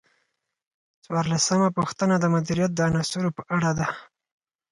څوارلسمه پوښتنه د مدیریت د عناصرو په اړه ده.